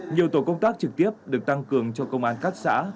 nhiều tổ công tác trực tiếp được tăng cường cho công an các xã